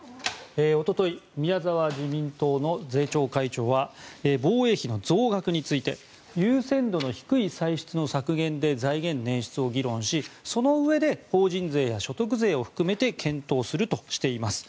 おととい自民党の宮沢税調会長は防衛費の増額について優先度の低い歳出の削減で財源捻出を議論しそのうえで法人税や所得税を含めて検討するとしています。